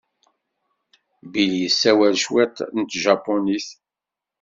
Bill yessawal cwiṭ n tjapunit.